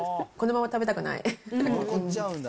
このまま食べたくない。